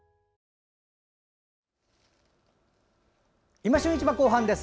「いま旬市場」後半です。